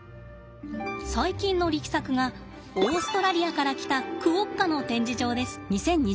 最近の力作がオーストラリアから来たクオッカの展示場です。